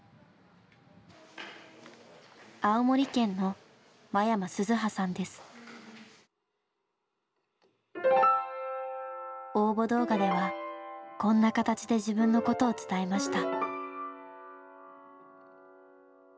青森県の応募動画ではこんな形で自分のことを伝えました。